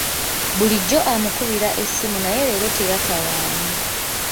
Bulijjo amukubira essimu naye leero teyatawaanye.